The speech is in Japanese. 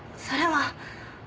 それは。